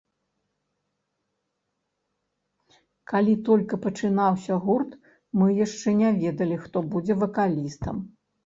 Калі толькі пачынаўся гурт, мы яшчэ не ведалі, хто будзе вакалістам.